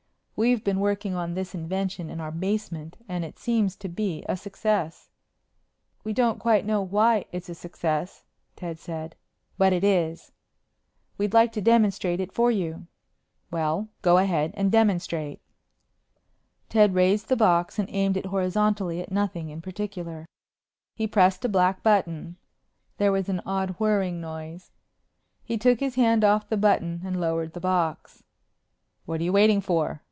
We've been working on this invention in our basement and it seems to be a success." "We don't quite know why it's a success," Ted said, "but it is." "We'd like to demonstrate it for you." "Well, go ahead and demonstrate." Ted raised the box and aimed it horizontally at nothing in particular. He pressed a black button. There was an odd whirring noise. He took his hand off the button and lowered the box. "What are you waiting for?"